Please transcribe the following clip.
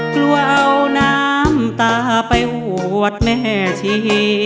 กลัวเอาน้ำตาไปอวดแม่ชี